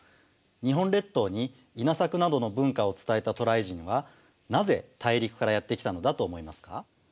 日本列島に稲作などの文化を伝えた渡来人はなぜ大陸からやって来たのだと思いますか？